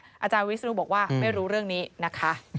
อาจารย์วิศนุบอกว่าไม่รู้เรื่องนี้นะคะ